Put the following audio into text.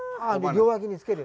両脇につける？